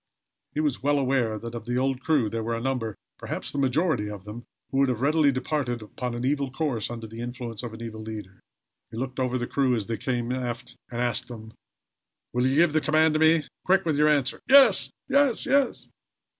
He was well aware that of the old crew there were a number perhaps the majority of them who would have readily departed upon an evil course under the influence of an evil leader. He looked over the crew as they came aft, and asked them: "Will you give the command to me? Quick with your answer!" "Yes! Yes!"